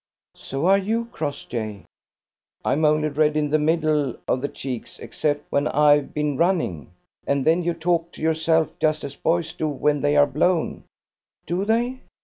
"So are you, Crossjay." "I'm only red in the middle of the cheeks, except when I've been running. And then you talk to yourself, just as boys do when they are blown." "Do they?"